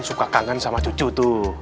suka kangen sama cucu tuh